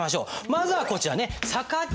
まずはこちらね